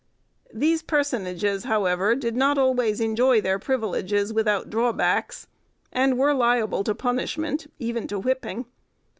These personages, however, did not always enjoy their privileges without drawbacks, and were liable to punishment, even to whipping.